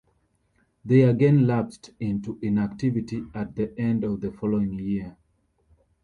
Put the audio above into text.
They again lapsed into inactivity at the end of the following year.